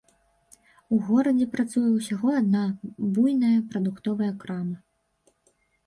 У горадзе працуе ўсяго адна буйная прадуктовая крама.